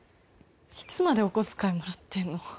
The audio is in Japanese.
いつまでお小遣いもらってんの？